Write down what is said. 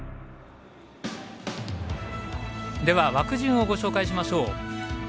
枠順をご紹介しましょう。